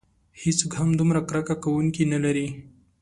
هیڅوک هم دومره کرکه کوونکي نه لري.